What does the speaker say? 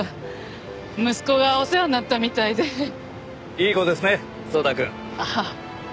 いい子ですね颯太くん。ああ。